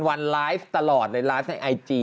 วันไลฟ์ตลอดในไลฟ์ในไอจี